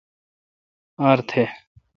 ار تھ